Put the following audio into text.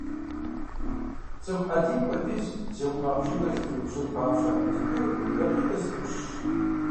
ЦӀыху Ӏэдийм хуэдиз зи гъумагъ жыгыр зэпиупщӀын папщӀэ, зыхуейр дакъикъи зытӀущщ.